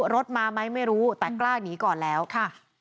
รถมาไหมไม่รู้แต่กล้าหนีก่อนแล้วค่ะ